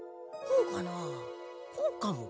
こうかも。